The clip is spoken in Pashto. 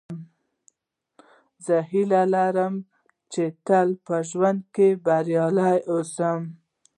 زه هیله لرم، چي تل په ژوند کښي بریالی اوسم.